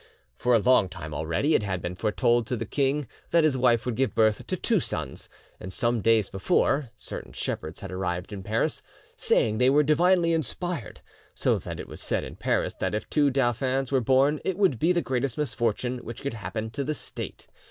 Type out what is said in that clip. "'For a long time already it had been foretold to the king that his wife would give birth to two sons, and some days before, certain shepherds had arrived in Paris, saying they were divinely inspired, so that it was said in Paris that if two dauphins were born it would be the greatest misfortune which could happen to the State.